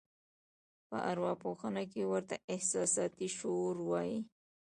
په اروا پوهنه کې ورته احساساتي شور وایي.